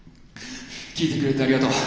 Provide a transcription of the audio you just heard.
聴いてくれてありがとう。